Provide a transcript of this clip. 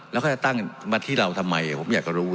แล้วเขาจะตั้งมาที่เราทำไมผมอยากจะรู้